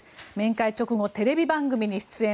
面会直後、テレビ番組に出演。